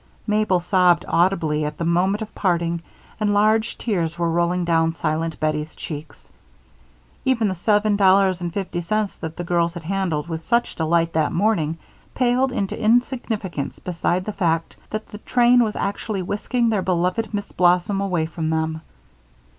Mabel sobbed audibly at the moment of parting, and large tears were rolling down silent Bettie's cheeks. Even the seven dollars and fifty cents that the girls had handled with such delight that morning paled into insignificance beside the fact that the train was actually whisking their beloved Miss Blossom away from them.